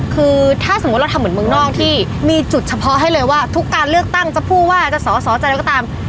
คือถ้าสมมุติเราทำเหมือนเมืองนอกที่มีจุดเฉพาะให้เลยว่าทุกการเลือกตั้งจะผู้ว่าจะสอสอจะอะไรก็ตาม